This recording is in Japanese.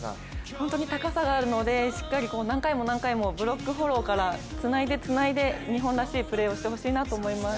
本当に高さがあるのでしっかり何回も何回もブロックフォローからつないで、つないで日本らしいプレーをしてほしいなと思います。